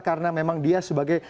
karena memang dia sebagai